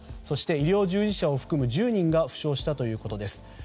そして、医療従事者を含む１０人が負傷したということです。